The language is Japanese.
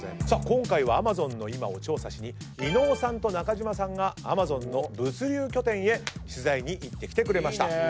今回はＡｍａｚｏｎの今を調査しに伊野尾さんと中島さんがＡｍａｚｏｎの物流拠点へ取材に行ってきてくれました。